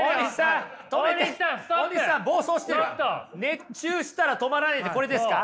熱中したら止まらないってこれですか？